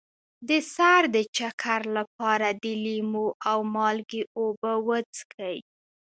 د سر د چکر لپاره د لیمو او مالګې اوبه وڅښئ